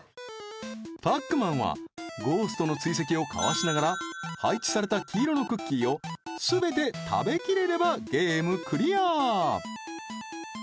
パックマンはゴーストの追跡をかわしながら配置された黄色のクッキーを全て食べきれればゲームクリア